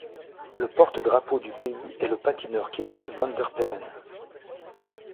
Le porte-drapeau du pays est le patineur Kevin Van Der Perren.